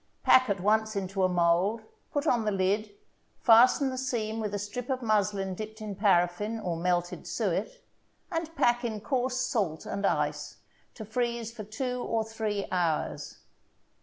Pack at once into a mold, put on the lid, fasten the seam with a strip of muslin dipped in paraffin or melted suet, and pack in coarse salt and ice to freeze for two or three hours.